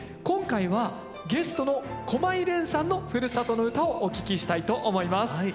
今回はゲストの駒井蓮さんのふるさとの唄をお聞きしたいと思います。